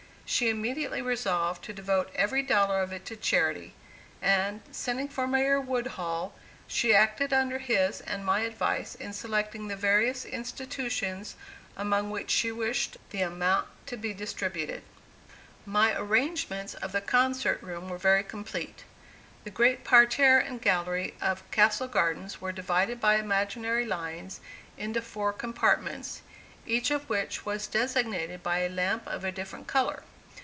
She immediately resolved to devote every dollar of it to charity; and, sending for Mayor Woodhull, she acted under his and my advice in selecting the various institutions among which she wished the amount to be distributed. My arrangements of the concert room were very complete. The great parterre and gallery of Castle Garden were divided by imaginary lines into four compartments, each of which was designated by a lamp of a different color.